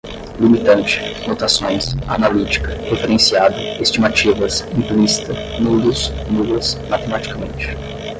limitante, notações, analítica, referenciada, estimativas, implícita, nulos, nulas, matematicamente